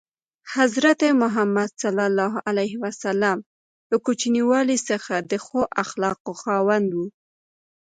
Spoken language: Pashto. حضرت محمد ﷺ له کوچنیوالي څخه د ښو اخلاقو خاوند و.